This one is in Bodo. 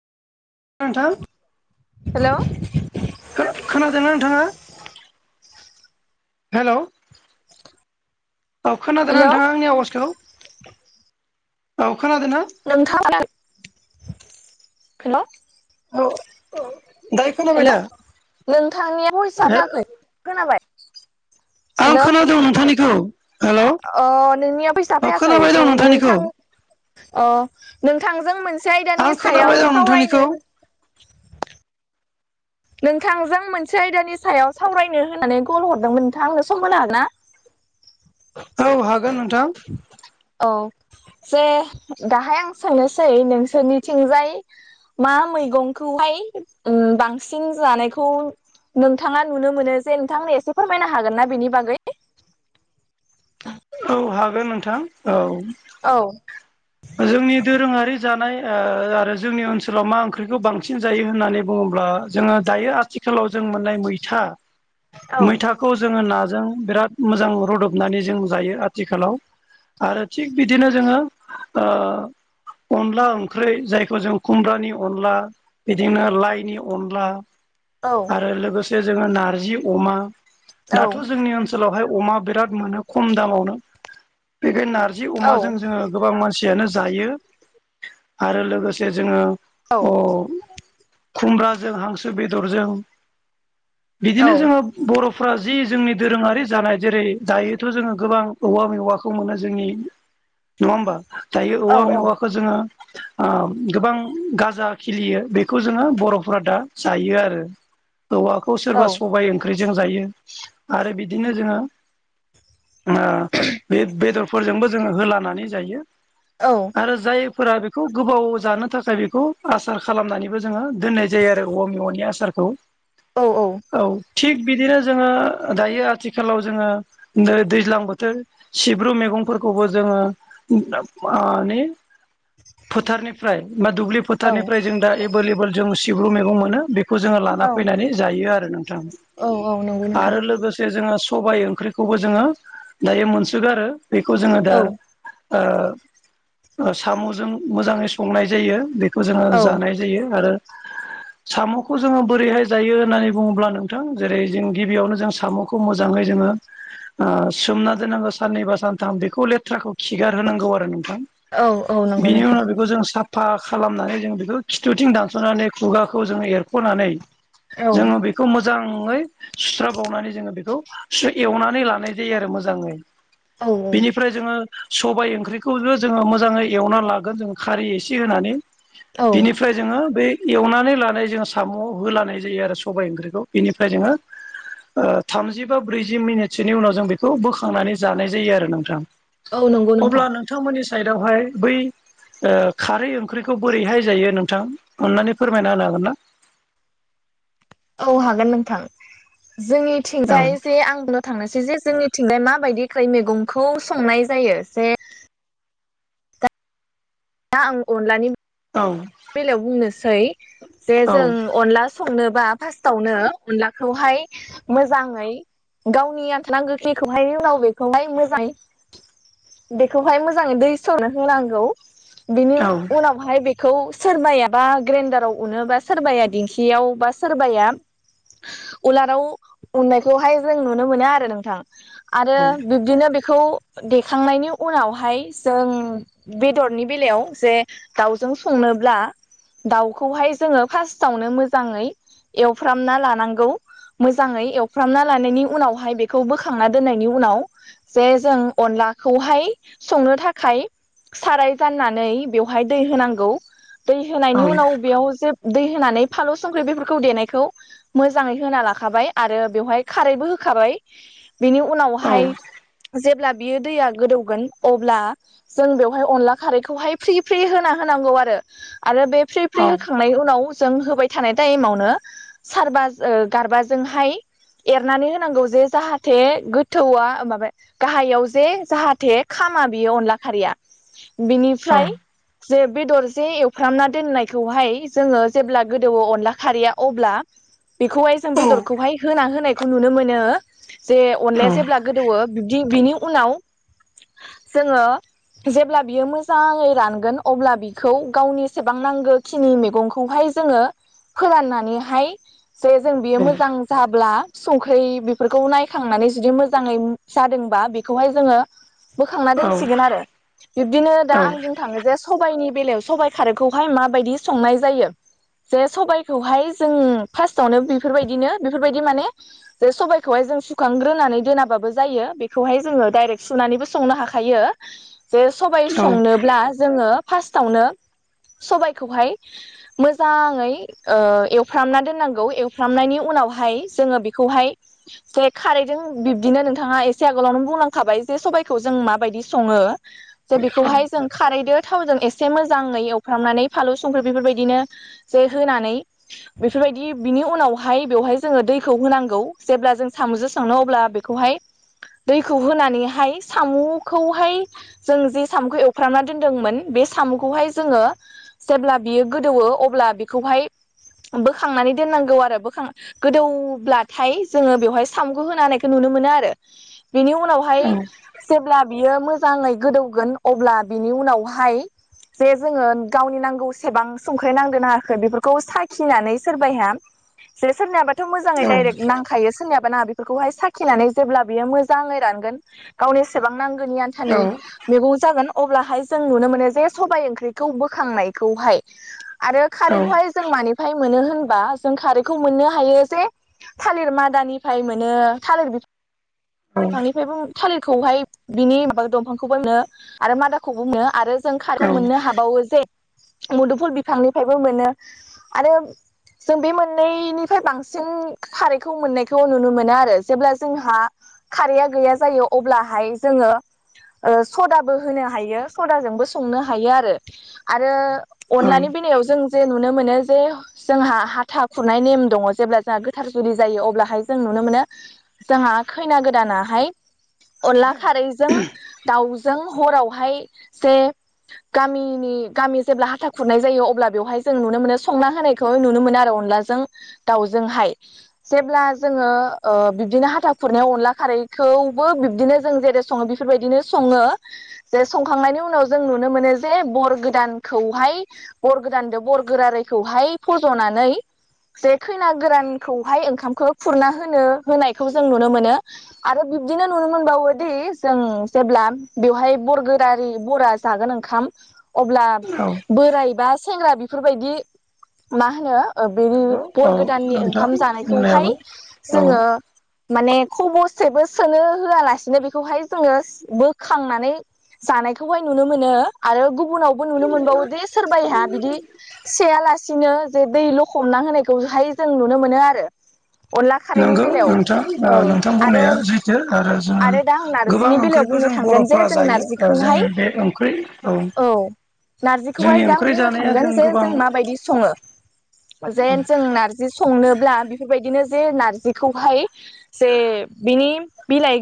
ओ नोंथां हेलौ खोनादोंना नोंथाङा? हेलौ औ हेल' खोनादोंना नोंथाङा आंनि आवाजखौ औ खोनादोंना? नोंथाङा [unintelligible] हेलौ औ औ। हेल' नोंथांनिया भइसआ जायाखै खोनाबाय? आं हेल' खोनादों नोंथांनिखौ हेलौ अ नोंनियाव फैसा औ फैयाखै? खोनाबाय दं जे नोंथांनिखौ नोंथां अ नोंथांजों मोन से आं आयदानि खोनाबाय सायाव दं नोंथांनिखौ सावरायनो नोंथांजों मोनसे आयदानि सायाव सावरायनो होननानै कल हरदोंमोन नोंथां आंनो सम होनो हागोन ना? औ हागोन नोंथां। औ जे दाहाय आं सोंनोसै नोंसोरनिथिंजाय मा मैगंखौहाय उम बां सिन जानायखौ नोंथाङा नुनो मोनो जे नोंथांनो एसे फोरमायनो हागोन ना बेनि बागै? औ हागोन नोंथां औ। औ। जोंनि दोरोङारि जानाय ओ आरो जोंनि ओनसोलाव मा ओंख्रिखौ बांसिन जायो होननानै बुङोब्ला जोङो दायो आथिखालाव जों मोननाय मैथा, औ मैथा खौ जोङो नाजों बिराद मोजां रुदबनानै जों जायो आथिखालाव। आरो थिग बिदिनो जोङो ओ अनला ओंख्रै जायखौ जों खुमब्रानि अनला बिदिनो लाइनि अनला औ। आरो लोगोसे जंहाो नार्जि अमा दाथ' औ जोंनि ओ ओनसोलावहाय अमा बिराद मोनो खम दामावनो। बेखायनो नार्जि औ अमाजों जोङो गोबां मानसि [unintelligible] जायो। आरो लोगोसे जोङो अ खुमब्राजों हांसो बेदरजों बिदिनो जोङो बर'फ्रा जि जोंनि दोरोङारि जानाय जेरै दायोथ' जोङो गोबां औवा मेवाखौ मोनो जोंनि नङा होमबा दायो औवा मेवाखौ जोङो ओ गोबां गाजा खिलियो बे बे जोङो बर'फोरा दा जायो आरो। औवाखौ सोरबा सबाइ ओं ख्रिजों जायो। आरो बिदिनो जोङो ओ बे बेदरफोरजोंबो जोङो होलानानै जायो। औ जायफोरा बेखौ गोबाव जानो थाखाय बेखौ आसार खालामनानैबो जोङो दोननाय जायो आरो औा मेव'नि आसारखौ औ औ औ थिग बिदिनो जोङो दायो आथिखालाव जोङो नै दैज्लां बोथोर सिब्रु मैगंफोरखौबो जोङो मानि फोथारनिफ्राय बा दुब्लि औ फोथारनिफ्राय जों दा एभोल एभोल जों सिब्रु मै मोनो बे खौ जोङो लाना औ फैनानै जायो आरो नोंथां औ नंगौ नोंथां आरो लोगोसे जोङो सबाय ओंख्रिखौबो जोङो दायो मोनसोगारो बेखौ जोङो औ दा ओ ओ साम'जों मोजाङै संनाय जायो बेखौ जोङो औ जानाय जायो आरो साम'खौ जोङो बोरैहाय जायो होननानै बुङोब्ला नोंथां जेरै जों गिबियावनो जों साम' खौ मोजाङै जोङो ओ सोमना दोनांगौ साननैबा सानथाम बेखौ लेथ्राखौ खिगार होनांगौ आरो नोंथां। औ औ नंगौ बिनि नोंथां उनाव बेखौ जों सा फा खालामनानै जों बेखौ खिथुथिं दानस'नानै खुगाखौ जोङो एरख'नानै औ जोङो बे खौ मोजाङै सुस्राबावनानै जोङो बेखौ एवनानै लानाय जायो आरो मोजाङै। औ बेनिफ्राय जोङो सबाय ओंख्रि खौबो जोङो मोजाङै एवना लागोन जों खारै एसे होनानै औ बिनिफ्राय जोङो बे एवनानै लानाय जोङो साम' होलानाय जायो आरो सबाय ओंख्रिखौ बेनिफ्राय जोङो ओ थामजि बा ब्रैजि मिनिटसोनि उनाव जों बेखौ बोखांनानै जानाय जायो आरो नोंथां औ नंगौ नोंथां अब्ला नोंथांमोननि साइडवहाय बै ओ खारै ओंख्रिखौ बोरैहाय जायो नोंथां अननानै फोरमायना होनो हागोन ना? औ हागोन नोंथां औ जोंनिथिंजाय जे आंबो थांनोसै जे जोंनिथिंजाय माबायदि खैमैगंखौ संनाय जायो जे दा आं अनलानि औ बेलायाव बुंनोसै जे औ जों अनला संनोबा फार्स्टावनो अनलाखौहाय मोजाङै गावनि आखोन गोखैखौहाय उनाव बेखौहाय मोजां बेखौहाय मोजाङै दै सावनो होनांगौ बिनि औ उनावहाय बेखौ सोरबायाबा ग्रेन्डाराव अनो बा सोरबाया दिंखियाव बा सोरबाया उलाराव उनायखौहाय जों नुनो मोनो आरो नोंथां आरो बिदिनो बेखौ देखांनायनि उनावहाय जों बेदरनि बेलायाव जे दाउजों संनो ब्ला दाउखौहाय जोङो फार्स्टआवनो मोजाङै एवफ्रामना लानांगौ। मोजाङै एवफ्रामना लानायनि उनावहाय बेखौ बोखांना दोननायनि उनाव जे जों अनलाखौहाय संनो थाखाय साराय जाननानै बेवहाय दै होनांगौ दै होनायनि औ उनाव बेयाव जे दै होनानै फालौ संख्रि बेफोरखौ देनायखौ मोजाङै होना लाखाबाय आरो बेवहाय खारैबो होखाबाय बिनि औ उनावहाय जेब्ला बियो दैया गोदौगोन अब्ला जों बेवहाय अनला खारैखौहाय फ्रि फ्रि होना होनांगौ आरो आरो बे फ्रि फ्रि औ होखां नाय उनाव जों होबाय थानाय टाइमावनो सारबा ओ गारबाजोंहाय एरनानै होनांगौ जे जाहाथे गोथौआ माबा गाहायाव जे जाहाथे खामा बेयो अनला खारैया बिनिफ्राय जे बेदर जे एवफ्रामना दोननायखौहाय जोङो जेब्ला गोदौवो अनला खारैया अब्ला बेखौहाय जों बेदरखौहाय होना होनायखौ नुनो मोनो। जे अनलाया जेब्ला गोदौवो बिदि बिनि उनाव जोङो जेब्ला बियो मोजाङै रानगोन अब्ला बि खौ गावनि सेबां नांगौखिनि मैगंखौहाय जोङो फोलाननानैहाय जे जों बियो मोजां जाब्ला संख्रि बेफोरखौ नायखांनानै जुदि मोजाङै जादोंबा बेखौहाय जोङो बोखांना औ दोनसिगोन आरो। बिब्दिनो दा आं बुंनो थाङो जे सबायाइनि बेलायाव सबाइ खारोबखौहाय माबायदि संनाय जायो जे सबबायखौहाय जों फार्स्टावनो बेफोरबायदिनो बेफोरबायदि माने जे सबायखौहाय जों सुखांग्रोनानै दोनाबाबो जायो बेखौहाय जोङो डाइरेक्ट सुनानैबो संनो हाखायो [unintelligible] जे सबाइ संनोब्ला जोङो फार्स्टआवनो सबाइखौहाय मोजाङै ओ एवफ्रामना दोननांगौ एवफ्रामनायनि उनावहाय जोङो बेखौहाय जे खारैजों बिब्दिनो नोंथाङा एसे आगोलावनो बुंलांखाबाय जे सबबायखौ जों माबायदि सङो। जे बेखौहाय जों खारैदो थावजों एसे एसे मोजांङै एवफ्रामनानै फालौ संख्रि बेफोरबायदिनो जे होनानै बेफोरबायदि बिनि उनावहाय बेवहाय जोङो दैखौ होनांगौ जेब्ला जों साम'जों संङोनो अब्ला खौहाय दैखौ होनानैहाय साम'खौहाय जों जि सामखौ एवफ्रामना दोनदोंमोन बे साम'खौहाय जोंङो जेब्ला बियो गोदौवो अब्ला बिखौहाय बोखांनानै दोननांगौ आरो बोखां गोदौब्लाथाय जोंङो बेवहाय सामगु होनानायखौ नुनो मोनो आरो बिनि उनावहाय जेब्ला बियो मोजांङै गोदौगोन अब्ला बिनि उनावहाय जे जोंङो गावनि नांगौसेबां संख्रै नांदों नाङाखै बेफोरखौ साखिनानै सोरबाया जे सोरनियाबाथ' मोजांङै डरेक्ट नांखायो नादोंना बेफोरखौहाय साखिनानै जेब्ला बियो मोजांङै रानगोन गावनिसेबां नांगौनि खानि मैगं जागोन अब्लाहाय जों नुनो मोनो जे सबाइ ओंख्रिखौ बोखांनायखौहाय आरो खारैखौहाय जों मानिफ्राय मोनो होनबा जों खारैखौ मोननो हायो जे थालिर मादानिफ्राय मोनो थालिर बि फांनिफ्रायबो थालिरखौहाय बिनि माबा दंफांखौबो मोनो आरो मादाखौबो मोनो आरो जों खारैखौ मोननो हाबावो जे मुदुफुल बिफांनिफ्रायबो मोनो आरो जों बे मोननैनिफ्राय बांसिन खारैखौ मोननायखौ नुनो मोनो आरो जेब्ला जोंहा खारैया गैया जायो अब्लाहाय जोंङो ओ सदाबो होनो हायो सदाजोंबो संनो हायो आरो। आरो औ अनलानि बेलायाव जों जे नुनो मोनो जे जोंहा हाथा खुरनाय नेम दंङो। जेब्ला जोंहा गोथार जुलि जायो अब्लाहाय जों नुनो मोनो जोंहा खैना गोदानाहाय अनला खारैजों दाउजों हरावहाय जे गामिनि गामि जेब्ला हाथा खुरनाय जायो अब्ला बेवहाय जों नुनो मोनो संना होनाय खौ नुनो मोनो आरो अनलाजों दाउजोंहाय जेब्ला जोंङो बिबदिनो हाथा खुरनायाव अनला खारैखौबो बिब्दिनो जों जेरै सङो बेफोरबायदिनो सङो। जे संखांनायनि उनाव जों नुनो मोनो जे बर गोदानखौहाय बरगोदानदो बरगोरारैखौहाय फज'नानै जे खैना गोरानखौहाय ओंखामखौ खुरना होनो होनायखौ जों नुनो मोनो आरो बिब्दिनो नुनो मोनबावोदि जों जेब्ला बेवहाय बरगोरारि बरा जागोन ओंखाम अब्ला औ बोराय बा सेंग्रा बेफोरबायदि मा होनो बे नंगौ औ बर गोदाननि नोंथां ओंखाम जानायखौहाय बुंनायाबो औ जोङो माने खबसेबो सोनो होआलासिनो बेखौहाय जोङो बोखांनानै जानायखौहाय नुनो मोनो आरो गुबुनावबो नुनो मोनबावो दे सोरबायाहा बिदि सेयालासिनो जे दै लखबना होनायखौहाय जों नुनो मोनो आरो अनला खारैनि नंगौ बेलायाव नोंथां औ नोंथां आरो बुंनाया सैथो आरो जोङो आरो दा आं गोबां नारजिनि बेलायाव ओंख्रिखौ जों बुंनो थांगोन जे बर'फ्रा जों जायो। नारजिखौहाय जोङो बे ओंख्रि औ नारजिखौहाय जोंनि दा आं ओंख्रि बुंनो जानाया थांगोन जे गोबां जों माबायदि सङो जे जों नारजि जि संनोब्ला बेफोरबायदिनो जे नारजिखौहाय जे बिनि बिलाइ